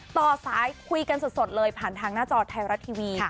ต่อสายคุยกันสดเลยผ่านทางหน้าจอไทยรัฐทีวี